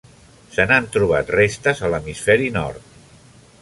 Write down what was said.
Se n'han trobat restes a l'hemisferi nord.